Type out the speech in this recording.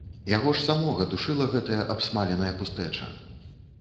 Яго ж самога душыла гэтая абсмаленая пустэча!